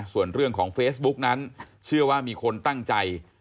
ส่วนเรื่องของเฟซบุ๊กนั้นเชื่อว่ามีคนตั้งใจ